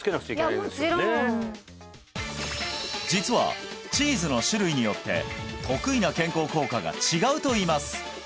いやもちろん実はチーズの種類によって得意な健康効果が違うといいます